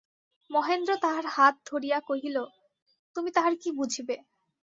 মহেন্দ্র তাহার হাত ধরিয়া কহিল, তুমি তাহার কী বুঝিবে।